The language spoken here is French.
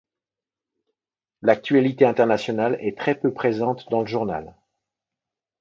L'actualité internationale est très peu présente dans le journal.